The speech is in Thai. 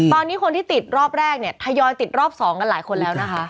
ตอนนี้คนที่ติดรอบแรกเนี่ยทยอยติดรอบ๒กันหลายคนแล้วนะคะ